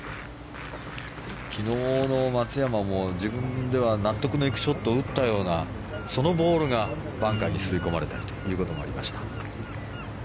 昨日の松山も自分では納得のいくショットを打ったようなそのボールがバンカーに吸い込まれたりということもありました。